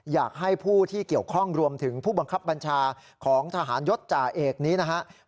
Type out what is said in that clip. อยากให้ผู้ที่เกี่ยวข้องรวมถึงผู้บังคับบัญชาของทหารยศจ่าเอกนี้นะครับ